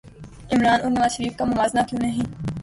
عمرا ن اور نواز شریف کا موازنہ کیوں نہیں